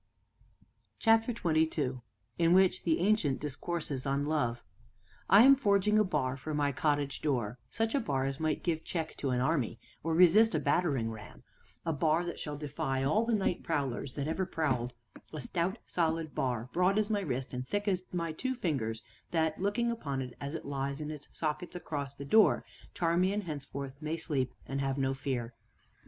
CHAPTER XXII IN WHICH THE ANCIENT DISCOURSES ON LOVE I am forging a bar for my cottage door: such a bar as might give check to an army, or resist a battering ram; a bar that shall defy all the night prowlers that ever prowled; a stout, solid bar, broad as my wrist, and thick as my two fingers; that, looking upon it as it lies in its sockets across the door, Charmian henceforth may sleep and have no fear.